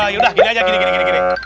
yaudah gini aja gini gini gini